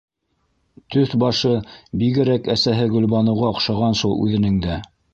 Төҫ-башы бигерәк әсәһе Гөлбаныуға оҡшаған шул үҙенең дә.